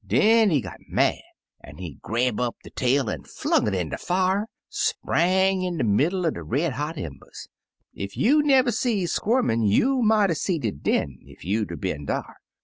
Den he got mad, an' he grab up de tail an' flung it in de fier, spang in de middle er de red hot embers. Ef you never see squirmin' you mought 'a' seed it den ef you'd 'a' been dar.